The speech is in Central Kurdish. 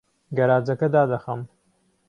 گەراجەکە دادەخەم.